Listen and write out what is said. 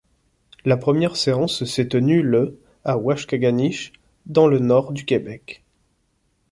La première séance s'est tenue le à Waskaganish, dans le Nord-du-Québec.